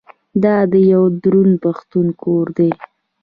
دا د یوه دروند پښتون کور دی.